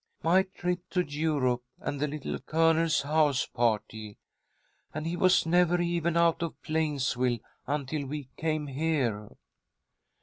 "My trip to Europe, and the Little Colonel's house party, and he was never even out of Plainsville until we came here."